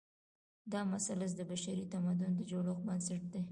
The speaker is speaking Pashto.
دا مثلث د بشري تمدن د جوړښت بنسټ دی.